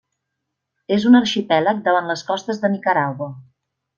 És un arxipèlag davant les costes de Nicaragua.